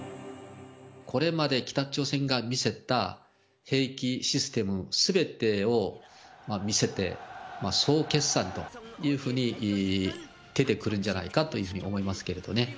これまで北朝鮮が見せた兵器システムすべてを見せて総決算というふうに出てくるんじゃないかというふうに思いますけれどもね。